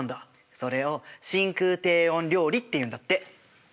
それを真空低温料理っていうんだって。